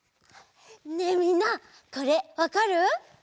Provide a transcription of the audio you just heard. ねえみんなこれわかる？